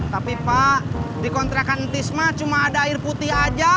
tapi pak di kontrakan tisma cuma ada air putih aja